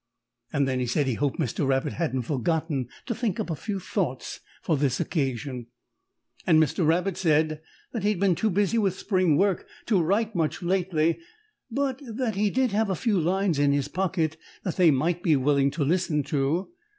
Then he said he hoped Mr. Rabbit hadn't forgotten to think up a few thoughts for this occasion, and Mr. Rabbit said that he had been too busy with spring work to write much lately, but that he did have a few lines in his pocket that they might be willing to listen to.